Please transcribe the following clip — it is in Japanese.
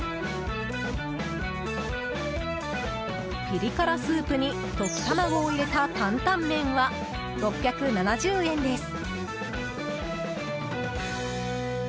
ピリ辛スープに溶き卵を入れた担々麺は６７０円です。